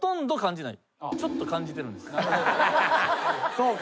そうか。